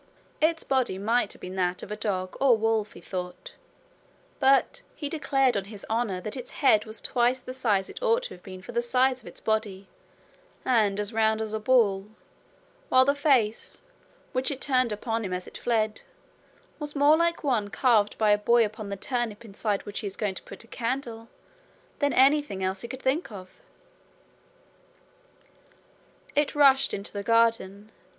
Its body might have been that of a dog or wolf, he thought, but he declared on his honour that its head was twice the size it ought to have been for the size of its body, and as round as a ball, while the face, which it turned upon him as it fled, was more like one carved by a boy upon the turnip inside which he is going to put a candle than anything else he could think of. It rushed into the garden.